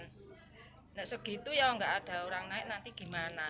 tidak segitu ya nggak ada orang naik nanti gimana